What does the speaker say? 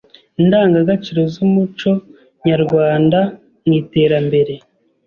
Indangagaciro z’Umuco Nyarwanda mu Iterambere”